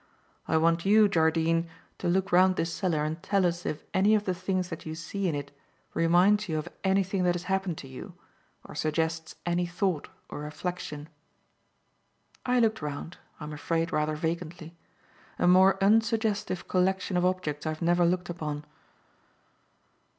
I want you, Jardine, to look round this cellar and tell us if any of the things that you see in it reminds you of anything that has happened to you, or suggests any thought or reflection." I looked round, I am afraid rather vacantly. A more unsuggestive collection of objects I have never looked upon.